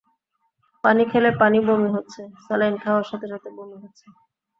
পানি খেলে পানি বমি হচ্ছে, স্যালাইন খাওয়ার সাথে সাথে বমি হচ্ছে।